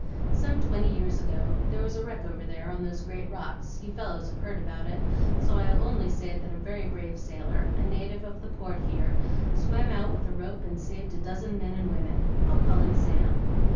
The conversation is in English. "Some twenty years ago there was a wreck over there on those great rocks; you fellows have heard about it, so I'll only say that a very brave sailor, a native of the Port here, swam out with a rope and saved a dozen men and women. I'll call him Sam.